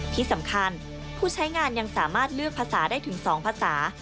ที่สำคัญผู้ใช้งานยังสามารถเลือกภาษาได้ถึง๒ภาษา